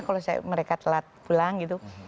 kalau mereka telat pulang gitu